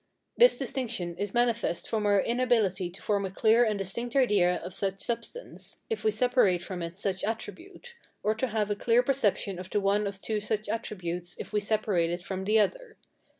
This distinction is manifest from our inability to form a clear and distinct idea of such substance, if we separate from it such attribute; or to have a clear perception of the one of two such attributes if we separate it from the other.